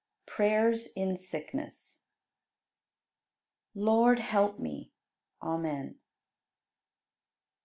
Prayers in Sickness. 62. Lord, help me! Amen.